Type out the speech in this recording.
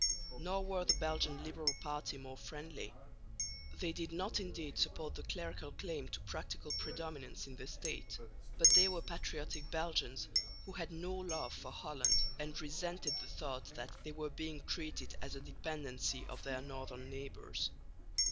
Nor were the Belgian liberal party more friendly. They did not indeed support the clerical claim to practical predominance in the State, but they were patriotic Belgians who had no love for Holland and resented the thought that they were being treated as a dependency of their northern neighbours.